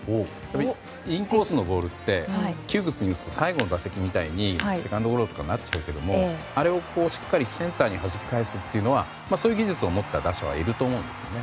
インコースのボールって窮屈に打つと最後の打席みたいにセカンドゴロとかなっちゃうけどあれをしっかりセンターにはじき返すというのはそういう技術を持った選手はいると思うんですよね。